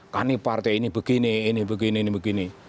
kan ini partai ini begini ini begini ini begini